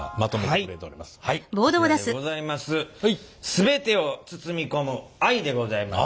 「全てを包み込む愛」でございます。